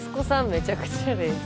めちゃくちゃ冷静。